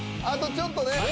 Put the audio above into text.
あとちょっとね